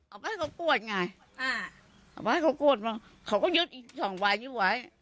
เอาไปให้เขากวดไงเอาไปให้เขากวดมาเขาก็ยึดอีกสองวายนี้ไว้